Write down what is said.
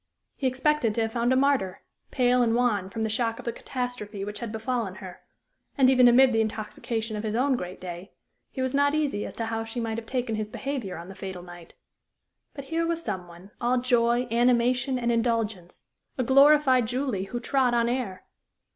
He expected to have found a martyr, pale and wan from the shock of the catastrophe which had befallen her, and, even amid the intoxication of his own great day, he was not easy as to how she might have taken his behavior on the fatal night. But here was some one, all joy, animation, and indulgence a glorified Julie who trod on air.